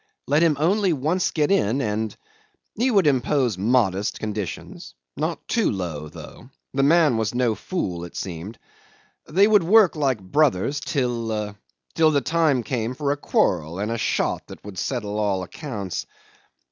Let him only once get in and ... He would impose modest conditions. Not too low, though. The man was no fool, it seemed. They would work like brothers till ... till the time came for a quarrel and a shot that would settle all accounts.